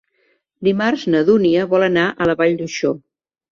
Dimarts na Dúnia vol anar a la Vall d'Uixó.